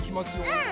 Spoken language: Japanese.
うん！